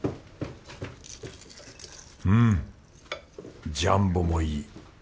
うんジャンボもいい。